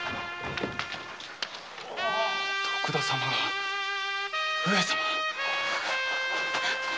徳田様が上様。